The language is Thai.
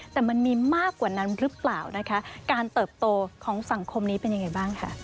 แต่มันมีมากกว่านั้นหรือเปล่านะคะการเติบโตของสังคมนี้เป็นยังไงบ้างค่ะ